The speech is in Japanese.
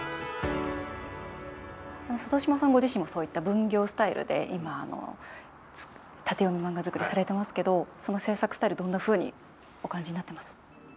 佐渡島さんご自身もそういった分業スタイルで今縦読み漫画作りされてますけどその制作スタイルどんなふうにお感じになっています？